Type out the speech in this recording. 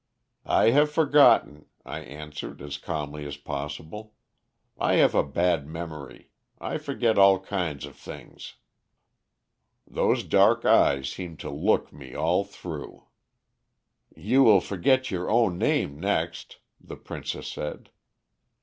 "'I have forgotten,' I answered as calmly as possible. 'I have a bad memory. I forget all kinds of things.' "Those dark eyes seemed to look me all through. "'You will forget your own name next,' the princess said.